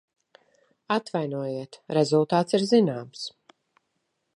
Atvainojiet, rezultāts ir zināms.